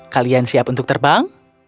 kalian siap untuk terbang